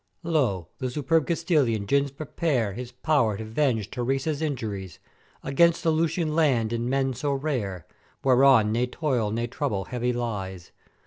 "Lo! the superb Castilian 'gins prepare his pow'r to 'venge Teresa's injuries, against the Lusian land in men so rare, whereon ne toil ne trouble heavy lies.